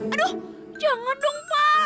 aduh jangan dong pak